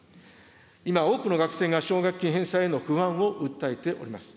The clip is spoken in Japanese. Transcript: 今多くの学生が奨学金返済への不安を訴えております。